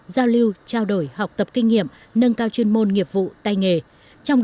giao lưu trao đổi học tập kinh nghiệm nâng cao chuyên môn nghiệp pháp luật